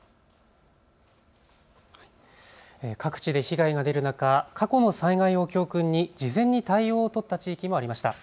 各地で被害が出る中、過去の災害を教訓に事前に対応を取った地域もありました。